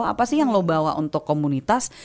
apa sih yang lo bawa untuk komunitas